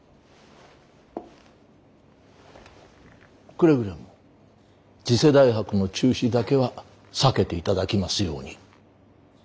くれぐれも次世代博の中止だけは避けていただきますように。